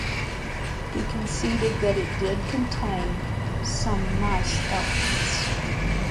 He conceded that it did contain "some nice elements".